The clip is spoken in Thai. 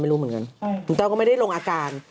ไม่รู้เหมือนกันคุณแต้วก็ไม่ได้ลงอาการ